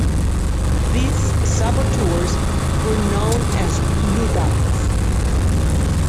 These saboteurs were known as "Luddites".